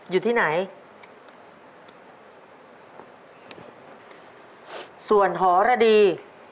อยู่ที่ไหนส่วนหอระดี